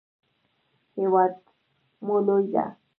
هیواد مو لوی ده.